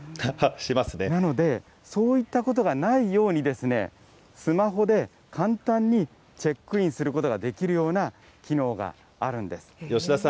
なので、そういったことがないように、スマホで簡単にチェックインすることができるような機能があるんです。